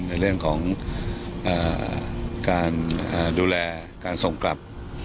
ในเรื่องของการดูแลการส่งกลับ